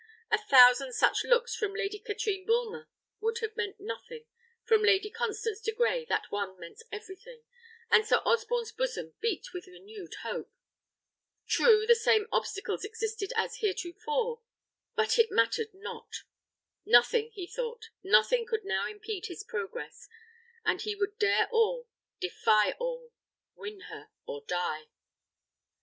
A thousand such looks from Lady Katrine Bulmer would have meant nothing, from Lady Constance de Grey that one meant everything, and Sir Osborne's bosom beat with renewed hope. True, the same obstacles existed as heretofore; but it mattered not Nothing, he thought, nothing now could impede his progress; and he would dare all, defy all, win her, or die.